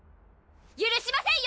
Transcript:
ゆるしませんよ